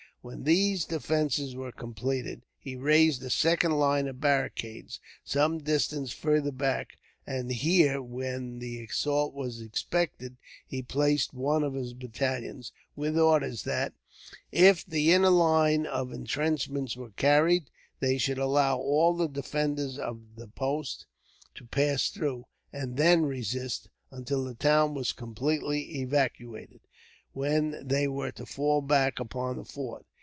When these defences were completed, he raised a second line of barricades some distance further back; and here, when the assault was expected, he placed one of his battalions, with orders that, if the inner line of entrenchments was carried, they should allow all the defenders of that post to pass through, and then resist until the town was completely evacuated, when they were to fall back upon the fort.